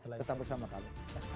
tetap bersama kami